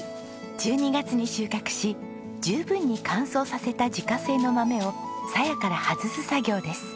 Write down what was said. １２月に収穫し十分に乾燥させた自家製の豆をさやから外す作業です。